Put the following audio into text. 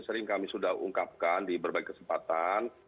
sering kami sudah ungkapkan di berbagai kesempatan